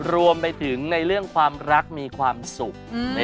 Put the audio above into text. รวมไปถึงในเรื่องความรักมีความสุข